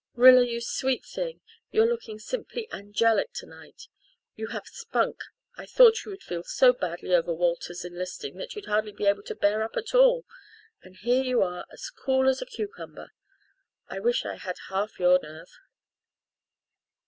"Rilla, you sweet thing, you're looking simply angelic to night. You have spunk I thought you would feel so badly over Walter's enlisting that you'd hardly be able to bear up at all, and here you are as cool as a cucumber. I wish I had half your nerve."